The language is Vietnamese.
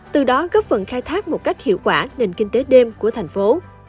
từ đó góp phần khai thác một cách hiệu quả nền kinh tế đêm của thành phố